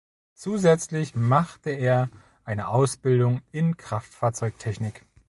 Zusätzlich machte er eine Ausbildung in Kraftfahrzeugtechnik.